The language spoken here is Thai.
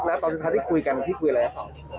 แล้วตอนสุดท้ายที่คุยกันพี่คุยอะไรครับ